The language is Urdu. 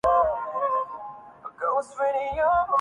کہ جاگنے کو ملا دیوے آکے میرے خواب کیساتھ